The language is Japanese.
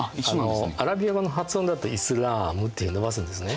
アラビア語の発音だと「イスラーム」って伸ばすんですね。